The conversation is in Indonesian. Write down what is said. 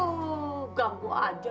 wuuuh ganggu aja